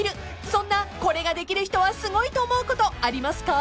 そんなこれができる人はすごいと思うことありますか？］